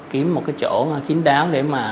kiếm một cái chỗ chính đáo để mà